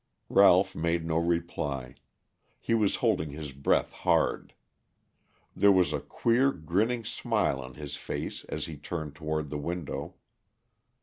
Ralph made no reply; he was holding his breath hard. There was a queer grinning smile on his face as he turned toward the window.